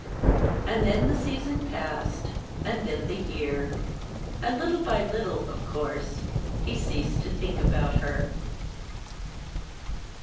And then the season passed, and then the year; and little by little, of course, he ceased to think about her.